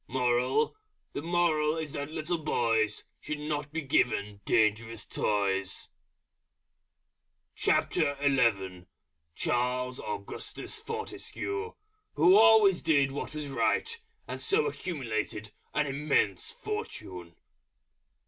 MORAL The moral is that little Boys Should not be given dangerous Toys. CHARLES AUGUSTUS FORTESCUE, _Who always Did what was Right, and so accumulated an Immense Fortune.